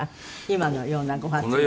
今のようなご発言。